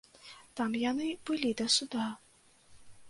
Там яны былі да суда.